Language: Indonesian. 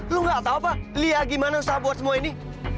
lu gak tau apa li gimana usaha buat semua ini